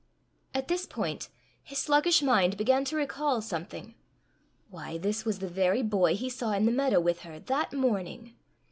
At this point his sluggish mind began to recall something: why, this was the very boy he saw in the meadow with her that morning!